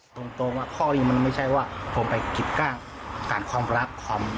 ตรงว่าข้อนี้มันไม่ใช่ว่าผมไปคิดกล้างผ่านความรักความ